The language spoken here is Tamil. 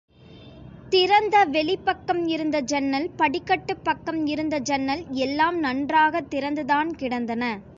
திறந்த வெளிப்பக்கம் இருந்த ஜன்னல், படிக்கட்டுப் பக்கம் இருந்த ஜன்னல் எல்லாம் நன்றாகத் திறந்துதான் கிடந்தன.